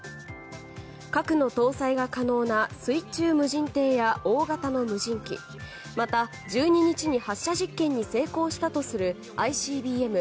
核の搭載が可能な水中無人艇や大型の無人機また、１２日に発射実験に成功したとするＩＣＢＭ